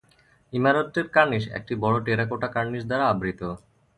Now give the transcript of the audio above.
ইমারতটির cornice একটি বড় terracotta cornice দ্বারা আবৃত।